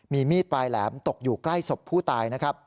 มีมีดปลายแหลมตกอยู่ใกล้ศพผู้ตายนะครับ